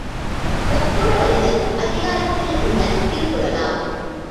ஒப்புரவறிதல் அதிகாரத்தில் உள்ள திருக்குறளா?